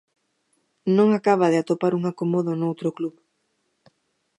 Non acaba de atopar un acomodo noutro club.